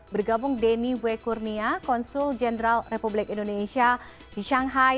bergabung denny wekurnia konsul jenderal republik indonesia di shanghai